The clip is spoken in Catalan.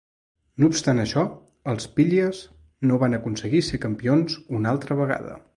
No obstant això, els Phillies no van aconseguir ser campions una altra vegada.